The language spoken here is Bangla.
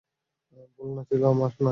ভুল না ছিল আমার, না ছিল তোমার।